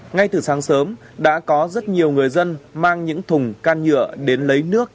ngay từ sáng sớm đã có rất nhiều người dân mang những thùng can nhựa đến lấy nước